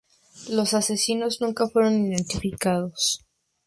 Los asesinos nunca fueron identificados.